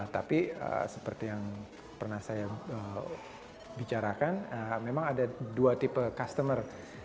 tapi seperti yang pernah saya bicarakan memang ada dua tipe customer